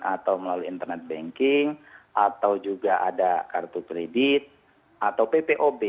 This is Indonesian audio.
atau melalui internet banking atau juga ada kartu kredit atau ppob